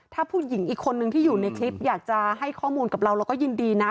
ถ้าผู้หญิงอีกคนนึงที่อยู่ในคลิปอยากจะให้ข้อมูลกับเราเราก็ยินดีนะ